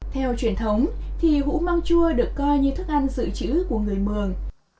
theo truyền thống thì hũ mang chua được coi như thức ăn dự trữ của người mường